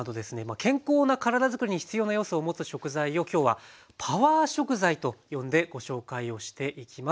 健康な体づくりに必要な要素を持つ食材を今日は「パワー食材」と呼んでご紹介をしていきます。